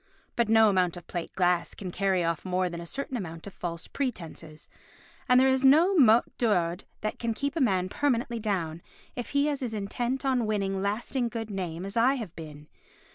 But no amount of plate glass can carry off more than a certain amount of false pretences, and there is no mot d'ordre that can keep a man permanently down if he is as intent on winning lasting good name as I have been.